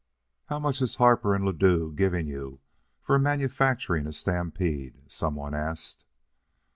"How much is Harper and Ladue givin' you for manufacturing a stampede?" some one asked.